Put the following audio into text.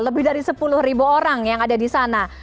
lebih dari sepuluh orang yang ada di sana